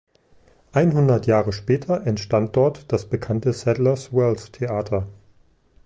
Einhundert Jahre später entstand dort das bekannte Sadler's Wells Theater.